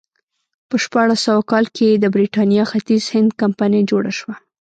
په شپاړس سوه کال کې د برېټانیا ختیځ هند کمپنۍ جوړه شوه.